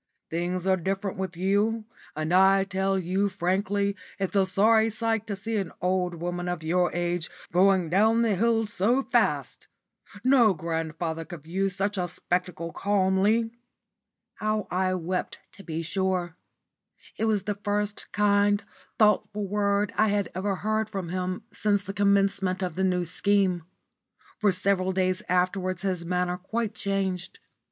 Things are different with you, and I tell you frankly it's a sorry sight to see an old woman of your age going down the hill so fast. No grandfather could view such a spectacle calmly." How I wept to be sure. It was the first kind, thoughtful word I had ever heard from him since the commencement of the New Scheme. For several days afterwards his manner quite changed.